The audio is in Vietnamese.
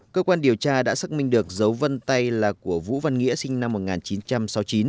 cơ quan điều tra đã xác minh được dấu vân tay là của vũ văn nghĩa sinh năm một nghìn chín trăm sáu mươi chín